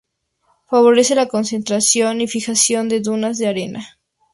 Favorece la contención y fijación de dunas de arena.